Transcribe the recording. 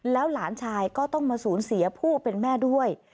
แล้วหลานชายก็ต้องมาสูญเสียผู้เป็นแม่ด้วย